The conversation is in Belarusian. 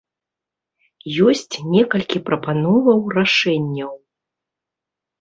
Ёсць некалькі прапановаў рашэнняў.